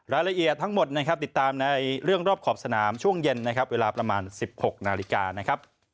รายละเอียดทั้งหมดติดตามในเรื่องรอบขอบสนามช่วงเย็นเวลาประมาณ๑๖นาฬิกา